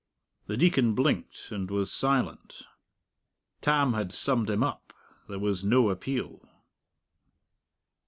The Deacon blinked and was silent. Tam had summed him up. There was no appeal.